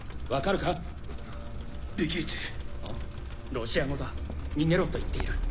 ロシア語だ逃げろと言っている。